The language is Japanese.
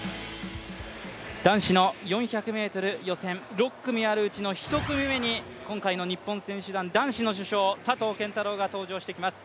男子の４００ｍ予選、６組あるうちの１組目に今回の日本選手団男子の主将、佐藤拳太郎が登場します。